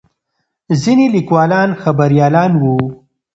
ځینې لیکوالان خبریالان وو.